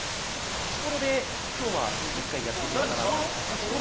立ちコロで今日は２０回やってみようかなと。